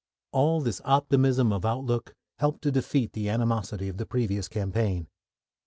All this optimism of outlook helped to defeat the animosity of the previous campaign.